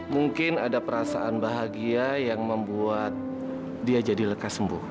mungkin ada perasaan bahagia yang membuat dia jadi lekas sembuh